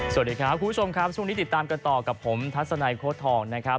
สวัสดีครับคุณผู้ชมครับช่วงนี้ติดตามกันต่อกับผมทัศนัยโค้ดทองนะครับ